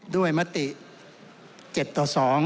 ด้วยมธิ๗โต๑๒